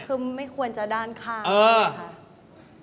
คือไม่ควรจะด้านข้างใช่ไหมคะ